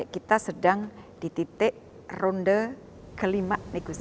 kita sedang di titik ronde kelima negosiasi